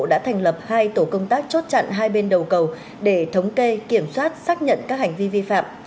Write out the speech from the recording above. đã thành lập hai tổ công tác chốt chặn hai bên đầu cầu để thống kê kiểm soát xác nhận các hành vi vi phạm